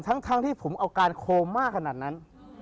ทั้งที่ผมเอาการโคม่าขนาดนั้น